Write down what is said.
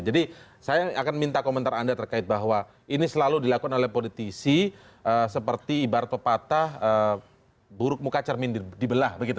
jadi saya akan minta komentar anda terkait bahwa ini selalu dilakukan oleh politisi seperti ibarat pepatah buruk muka cermin dibelah begitu